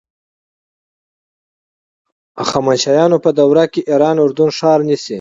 هخامنشیانو په دوره کې ایران اردن ښار نیسي.